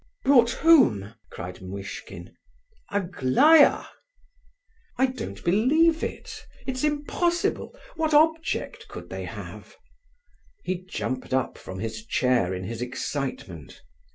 "Brought whom?" cried Muishkin. "Aglaya." "I don't believe it! It's impossible! What object could they have?" He jumped up from his chair in his excitement.